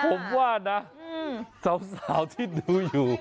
ผมว่านะสาวที่ดูอยู่